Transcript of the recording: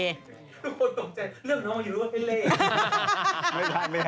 ทุกคนต้องใจเรื่องน้องมายูรู้ว่าเป็นเล่